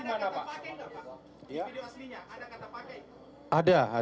video aslinya ada kata pakai